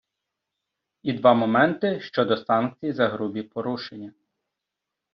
І два моменти щодо санкцій за грубі порушення.